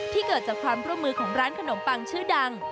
เกิดจากความร่วมมือของร้านขนมปังชื่อดัง